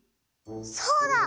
そうだ！